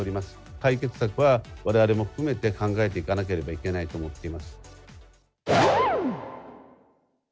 解決策はわれわれも含めて考えていかなければいけないと思ってい